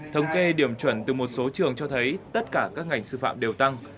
thống kê điểm chuẩn từ một số trường cho thấy tất cả các ngành sư phạm đều tăng